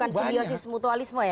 bukan simbiosis mutualisme ya